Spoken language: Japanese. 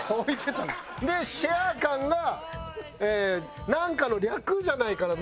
で「シアー感」がなんかの略じゃないかな。